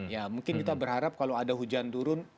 ya mungkin kita berharap kalau ada hujan turun